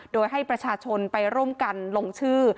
โดยให้ประชาชนไปร่วมกันลงชื่อ